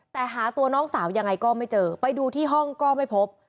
แต่หาตัวน้องสาวยังไงก็ไม่เจอไปดูที่ห้องก็ไม่พบ